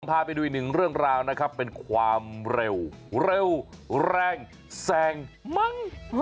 พาไปดูอีกหนึ่งเรื่องราวนะครับเป็นความเร็วเร็วแรงแซงมึง